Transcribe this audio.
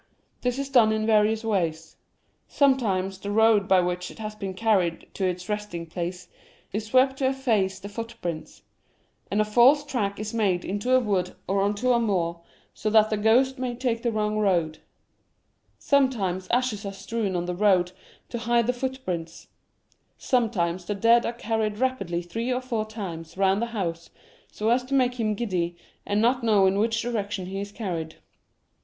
This is done in various ways. Sometimes the road by which it has been carried to its resting place is swept to efface the footprints, and a false track is made into a wood or on to a moor, so that the ghost may take the wrong road. Sometimes ashes are strewn on the road to hide the footprints. Some times the dead is carried rapidly three or four times round the house so as to make him giddy, and not lO The Meaning of Mourning know in which direction he is carried.